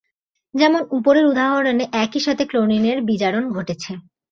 যেমন উপরের উদাহরণে একইসাথে ক্লোরিনের বিজারণ ঘটেছে।